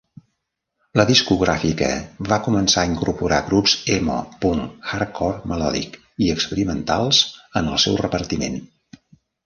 La discogràfica va començar a incorporar grups emo, punk, hardcore melòdic i experimentals en el seu repartiment.